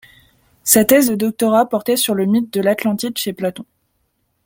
Sa thèse de doctorat portait sur le mythe de l'Atlantide chez Platon.